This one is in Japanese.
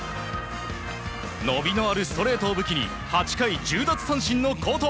伸びのあるストレートを武器に８回１０奪三振の好投。